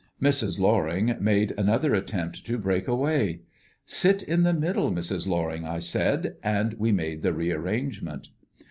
Mrs. Loring made another attempt to break away. "Sit in the middle, Mrs. Loring," I said, and we made the rearrangement.